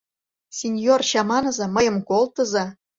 Синьор, чаманыза, мыйым колтыза.